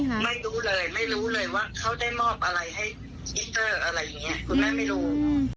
ไม่รู้เลยไม่รู้เลยว่าเขาได้มอบอะไรให้